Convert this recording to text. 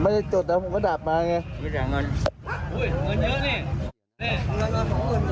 ผมไม่ได้จุดนะผมก็ดับมาไงที่ริยังมัน